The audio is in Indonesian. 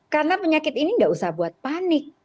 karena penyakit ini nggak usah buat panik